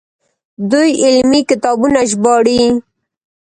دوی علمي کتابونه ژباړي.